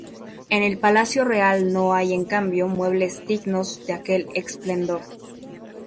En el Palacio Real no hay en cambio muebles dignos de aquel esplendor.